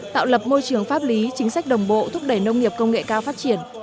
tạo lập môi trường pháp lý chính sách đồng bộ thúc đẩy nông nghiệp công nghệ cao phát triển